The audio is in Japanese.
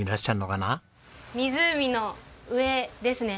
湖の上ですね。